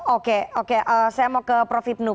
oke oke saya mau ke prof hipnu